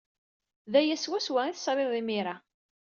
D aya swaswa ay tesrid imir-a.